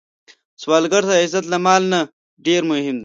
سوالګر ته عزت له مال نه ډېر مهم دی